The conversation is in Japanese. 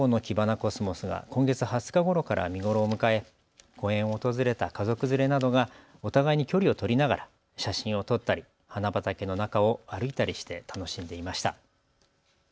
コスモスが今月２０日ごろから見頃を迎え公園を訪れた家族連れなどがお互いに距離を取りながら写真を撮ったり、花畑の中を歩いたりして楽しんでいました。